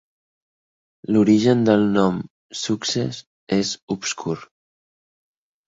L'origen del nom "Success" és obscur.